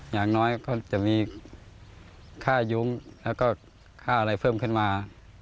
อย่างน้อยก็จะมีค่ายุ้งแล้วก็ค่าอะไรเพิ่มขึ้นมา